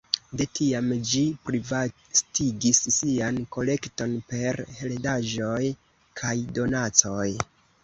De tiam ĝi plivastigis sian kolekton per heredaĵoj kaj donacoj.